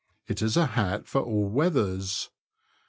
It is a hat for all weathers.